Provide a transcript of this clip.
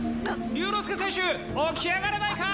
竜之介選手起き上がれないか！？